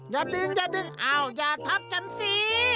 อย่าดึงอย่าดึงอ้าวอย่าทับฉันสิ